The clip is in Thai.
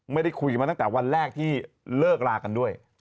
ไม่ได้คุยมาตั้งแต่วันแรกที่เลิกลากันด้วย